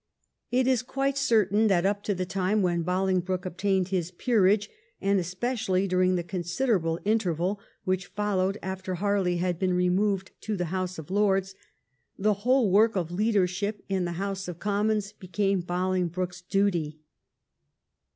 It is quite certain that up to the time when Bolingbroke obtained his peerage, and especially during the considerable interval which followed after Harley had been removed to the House of Lords, the whole work of leadership in the House of Commons became Bolingbroke's duty.